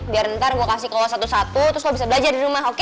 biar ntar gue kasih kuliah satu satu terus gue bisa belajar di rumah oke